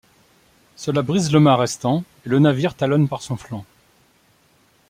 Cela brise le mat restant et le navire talonne par son flanc.